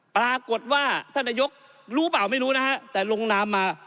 ปรากฏว่าท่านนายกรู้เปล่าไม่รู้นะฮะแต่ลงนามมา